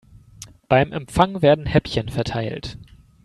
Beim Empfang werden Häppchen verteilt.